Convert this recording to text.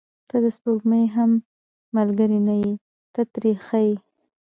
• ته د سپوږمۍ هم ملګرې نه یې، ته ترې ښه یې.